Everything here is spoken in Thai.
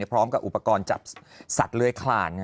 พร้อมกับอุปกรณ์จับสัตว์เลื้อยคลาน